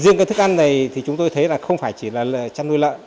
riêng cái thức ăn này thì chúng tôi thấy là không phải chỉ là chăn nuôi lợn